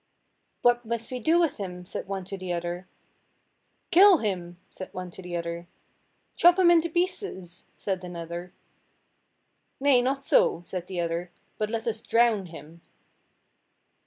"What must we do with him?" said one to the other. "Kill him!" said one to the other. "Chop him into pieces," said another. "Nay, not so," said the other, "but let us drown him."